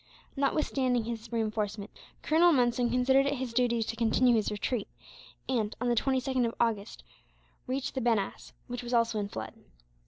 Notwithstanding this reinforcement, Colonel Monson considered it his duty to continue his retreat and, on the 22nd of August, reached the Banass, which was also in flood.